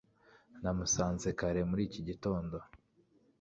Namusanze kare muri iki gitondo